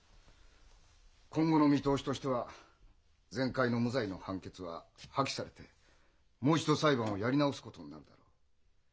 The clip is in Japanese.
今後の見通しとしては前回の無罪の判決は破棄されてもう一度裁判をやり直すことになるだろう。